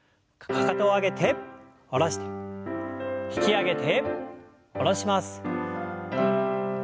かかとを上げて下ろして引き上げて下ろします。